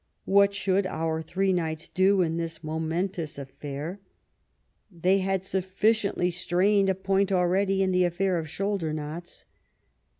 What should our three knights do in this momentous affair? They had sufficiently strained a point already, in the affair of shoulder knots.